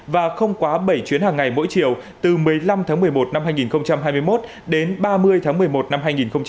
và không quá bảy chuyến hàng ngày mỗi chiều từ một mươi năm tháng một mươi một năm hai nghìn hai mươi một đến ba mươi tháng một mươi một năm hai nghìn hai mươi